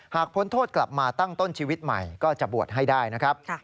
พ้นโทษกลับมาตั้งต้นชีวิตใหม่ก็จะบวชให้ได้นะครับ